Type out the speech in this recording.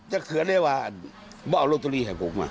ให้วันที่๑๖